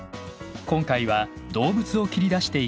今回は動物を切り出していきます。